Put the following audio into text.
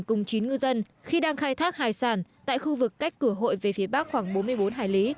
cùng chín ngư dân khi đang khai thác hải sản tại khu vực cách cửa hội về phía bắc khoảng bốn mươi bốn hải lý